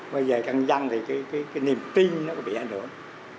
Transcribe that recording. bây giờ căn dân thì cái niềm tin nó bị ảnh hưởng